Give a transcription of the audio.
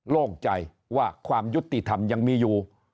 โล่งใจว่าความยุติธรรมยังมีอยู่